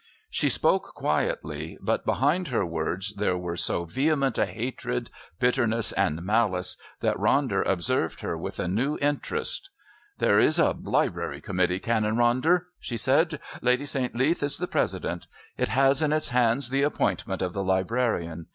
She spoke quietly, but behind her words there were so vehement a hatred, bitterness and malice that Ronder observed her with a new interest. "There is a Library Committee, Canon Ronder," she said. "Lady St. Leath is the president. It has in its hands the appointment of the librarian.